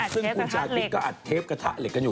ซึ่งคุณชาคริสก็อัดเทปกระทะเหล็กกันอยู่